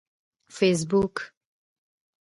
فیسبوک